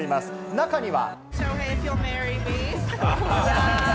中には。